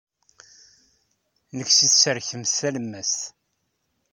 Nekk seg tserkemt talemmast.